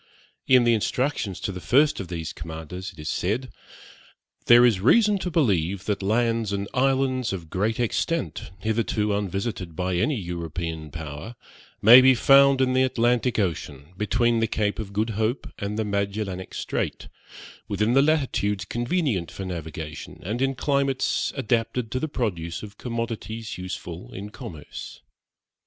In the instructions to the first of these commanders it is said, 'there is reason to believe that lands and islands of great extent, hitherto unvisited by any European power, may be found in the Atlantic Ocean, between the Cape of Good Hope and the Magellanic Strait, within the latitudes convenient for navigation, and in climates adapted to the produce of commodities useful in commerce.'